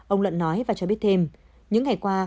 ông luận nói và cho biết thêm những ngày qua